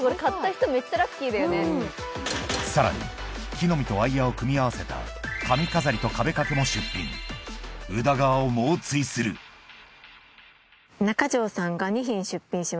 さらに木の実とワイヤを組み合わせた髪飾りと壁掛けも出品宇田川を猛追するえぇ。